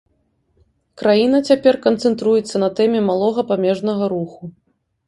Краіна цяпер канцэнтруецца на тэме малога памежнага руху.